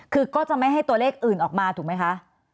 คือก็จะไม่ให้ตัวเลขอื่นออกมาถูกไหมคะ